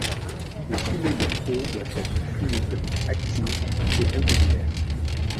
Les foulées de trot doivent être fluides, actives et régulières.